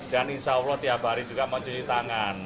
dan insya allah tiap hari juga mencuci tangan